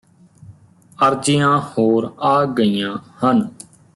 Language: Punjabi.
ਅਰਜੀਆਂ ਹੋਰ ਆ ਗਈਆਂ ਹਨ